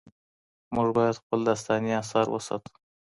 موږ باید خپل داستاني اثار وساتو.